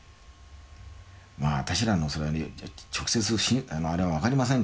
まあ私らもそりゃね直接あれは分かりませんけどね